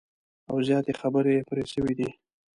او زیاتي خبري پر سوي دي